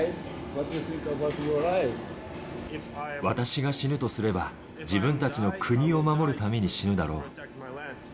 私が死ぬとすれば、自分たちの国を守るために死ぬだろう。